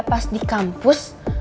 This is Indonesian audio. pas di kampus